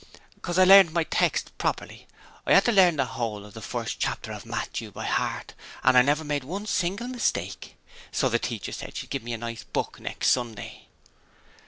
''Cause I learned my text properly. I had to learn the whole of the first chapter of Matthew by heart and I never made one single mistake! So teacher said she'd give me a nice book next Sunday.'